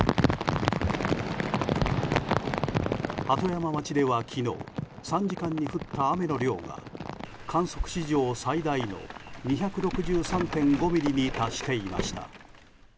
鳩山町では昨日３時間に降った雨の量が観測史上最大の２６３．５ミリに達していました。